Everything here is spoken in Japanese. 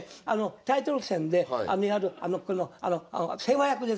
タイトル戦でやる世話役ですよ。